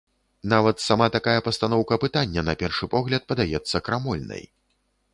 Нават сама такая пастаноўка пытання на першы погляд падаецца крамольнай.